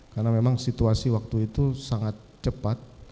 karena memang situasi waktu itu sangat cepat